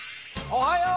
おはよう！